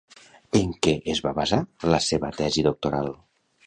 En què es va basar la seva tesi doctoral?